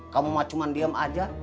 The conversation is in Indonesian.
kamu mah cuman diem aja